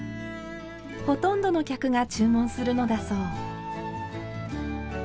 ほとんどの客が注文するのだそう。